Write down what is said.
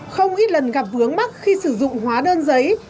không ít lần gặp vướng mắt khi sử dụng hóa đơn giấy